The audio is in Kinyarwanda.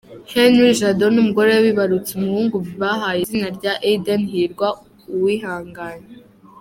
Henri Jado n’umugore we bibarutse umuhungu bahaye izina rya Eden Hirwa Uwihanganye.